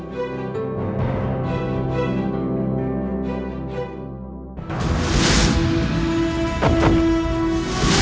aku akan mencari angin bersamamu